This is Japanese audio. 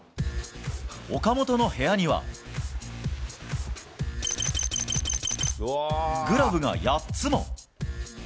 岡本の部屋には、グラブが８つも。